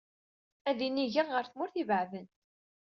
Ad inigeɣ ɣer tmura ibeɛden.